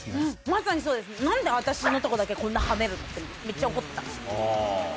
まさにそうです何で私のとこだけこんなはねる？ってめっちゃ怒ってた。